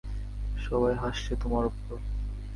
সবাই হাসছে তোমার ওপর?